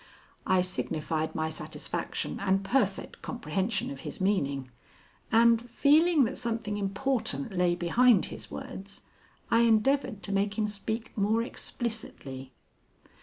I signified my satisfaction and perfect comprehension of his meaning, and, feeling that something important lay behind his words, I endeavored to make him speak more explicitly.